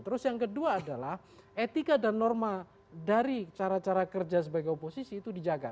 terus yang kedua adalah etika dan norma dari cara cara kerja sebagai oposisi itu dijaga